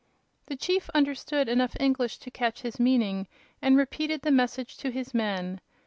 The chief understood enough English to catch his meaning, and repeated the message to his men.